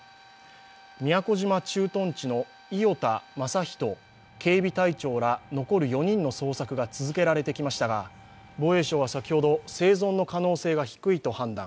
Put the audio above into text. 宮古島駐屯地の伊與田雅一警備隊長ら、残る４人の捜索が続けられてきましたが、防衛省は先ほど生存の可能性が低いと判断。